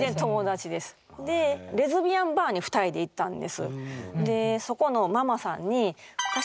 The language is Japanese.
でレズビアンバーに２人で行ったんです。